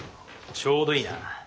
ちょうどいいな。